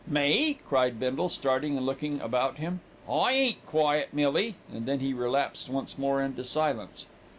"Me?" cried Bindle, starting and looking about him. "I ain't quiet, Millie," and then he relapsed once more into silence.